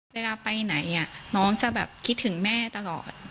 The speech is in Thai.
เวลาไปไหนน้องจะแบบคิดถึงแม่ตลอด